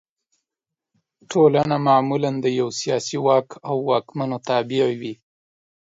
ټولنه معمولا د یوه سیاسي واک او واکمنو تابع وي.